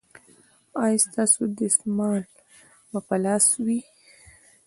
ایا ستاسو دستمال به په لاس وي؟